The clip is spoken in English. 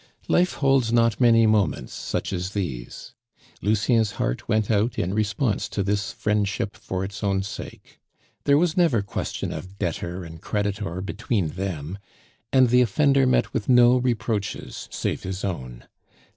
Life holds not many moments such as these. Lucien's heart went out in response to this friendship for its own sake. There was never question of debtor and creditor between them, and the offender met with no reproaches save his own.